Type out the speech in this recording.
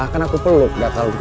kan aku peluk gak tau kejana'